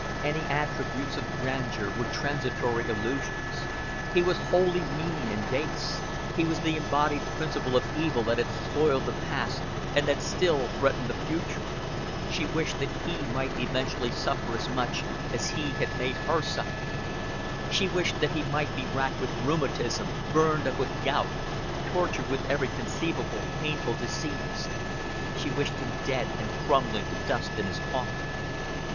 Any attributes of grandeur were transitory illusions; he was wholly mean and base: he was the embodied principle of evil that had spoiled the past and that still threatened the future. She wished that he might eventually suffer as much as he had made her suffer. She wished that he might be racked with rheumatism, burned up with gout, tortured with every conceivable painful disease. She wished him dead and crumbling to dust in his coffin.